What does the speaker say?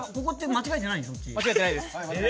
間違えてないです。